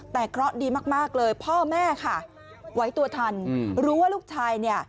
แต่เคราะห์ดีมากเลยพ่อแม่ค่ะไหวตัวทันรู้ว่าลูกชายเนี่ย